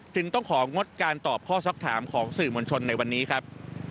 จึงต้องของงดการตอบข้อสักถามของสื่อมวลชนในวันนี้ครับ